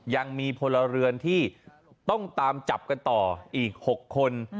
ยังมีพลเรือนที่ต้องตามจับกันต่ออีก๖คน